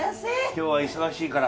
今日は忙しいから